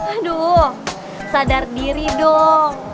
aduh sadar diri dong